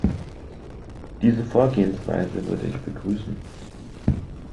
Diese Vorgehensweise würde ich begrüßen.